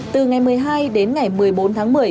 từ ngày một mươi hai đến ngày một mươi bốn tháng một mươi